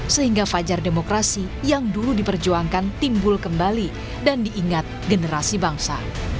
sehingga fajar demokrasi yang dulu diperjuangkan timbul kembali dan diingat generasi bangsa